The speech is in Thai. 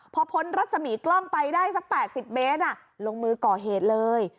พอพ้นรัศมีกล้องไปได้สัก๘๐เมตรลงมือก่อเหตุเลย